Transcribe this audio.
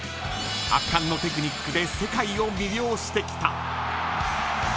圧巻のテクニックで世界を魅了してきた。